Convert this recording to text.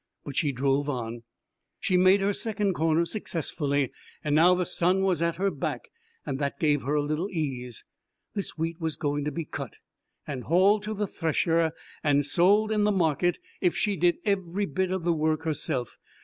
But she drove on. She made her second corner successfully, and now the sun was at her back, and that gave her a little ease. This wheat was going to be cut, and hauled to the thresher, and sold in the market, if she did every bit of the work herself.